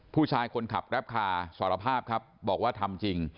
ผู้ชายคนขับแกรปคาสารภาพครับบอกว่าทำจริง